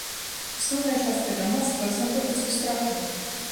Асноўная частка грамадства знаходзіцца ў страху.